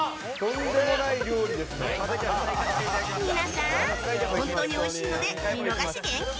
皆さん、本当においしいので見逃し厳禁！